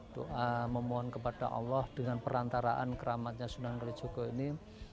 doa memohon kepada allah dengan perantaraan keramatnya sunan kalijoko ini